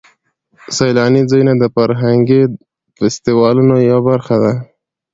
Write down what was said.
سیلاني ځایونه د فرهنګي فستیوالونو یوه برخه ده.